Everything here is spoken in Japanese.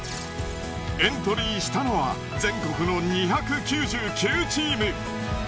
エントリーしたのは全国の２９９チーム。